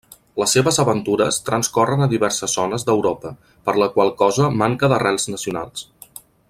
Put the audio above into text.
Les seves aventures transcorren a diverses zones d'Europa, per la qual cosa manca d'arrels nacionals.